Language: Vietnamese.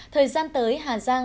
thời gian tới hà giang